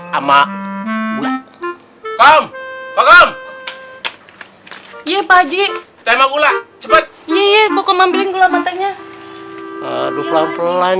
sama gue kom kom iya pak ji tema gula cepet iya gue mau mending gula matanya aduh pelan pelan